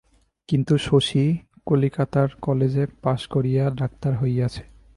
কিন্তু শশী কলিকাতার কলেজে পাস করিয়া ডাক্তার হইয়াছে।